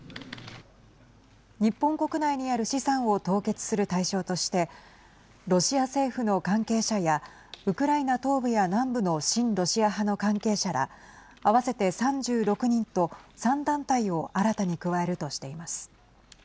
日本国内にある資産を凍結する対象としてロシア政府の関係者やウクライナ東部や南部の親ロシア派の関係者ら合わせて３６人と３団体を新たに加えるとしています。